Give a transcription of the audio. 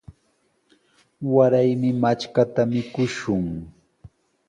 Waraymi matrkata mikushun.